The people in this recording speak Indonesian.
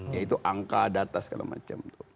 yaitu angka data segala macam